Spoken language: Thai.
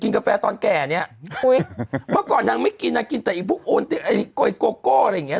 กินกาแฟตอนแก่เนี้ยอุ้ยเมื่อก่อนนางไม่กินนางกินแต่อีกพวกอะไรอย่างเงี้ย